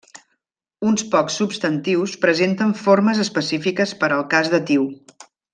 Uns pocs substantius presenten formes específiques per al cas datiu.